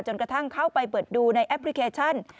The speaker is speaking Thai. กระทั่งเข้าไปเปิดดูในแอปพลิเคชัน